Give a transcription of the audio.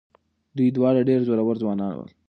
دوی دواړه ډېر زړور ځوانان ول.